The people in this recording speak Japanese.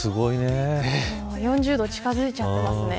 ４０度近づいちゃってますね。